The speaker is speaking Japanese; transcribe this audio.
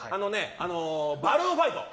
「バルーンファイト」。